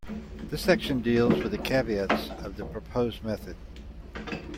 This section deals with the caveats of the proposed method.